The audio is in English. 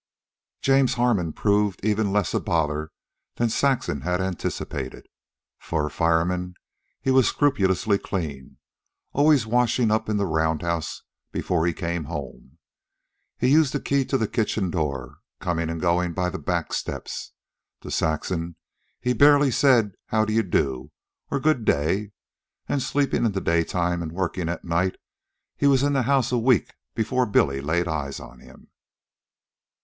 James Harmon proved even less a bother than Saxon had anticipated. For a fireman he was scrupulously clean, always washing up in the roundhouse before he came home. He used the key to the kitchen door, coming and going by the back steps. To Saxon he barely said how do you do or good day; and, sleeping in the day time and working at night, he was in the house a week before Billy laid eyes on him.